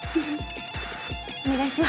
お願いします。